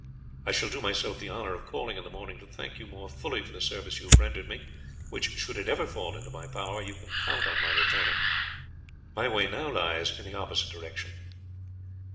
I shall do myself the honour of calling in the morning to thank you more fully for the service you have rendered me, which, should it ever fall into my power, you can count on my returning. My way now lies in the opposite direction."